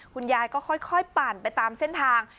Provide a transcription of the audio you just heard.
คุณยายก็ค่อยปั่นไปตามเส้นทาง